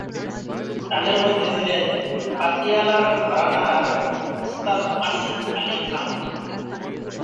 তাদের মধ্য ছিলেন পাতিয়ালার ঘরানার ওস্তাদ আশিক আলি খান।